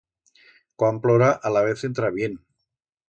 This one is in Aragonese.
Cuan plora, alavez entra bien.